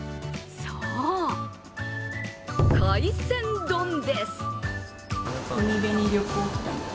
そう、海鮮丼です。